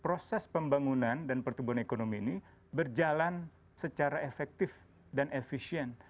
proses pembangunan dan pertumbuhan ekonomi ini berjalan secara efektif dan efisien